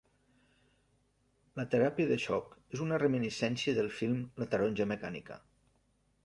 La teràpia de xoc és una reminiscència del film La Taronja Mecànica.